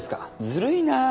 ずるいなあ。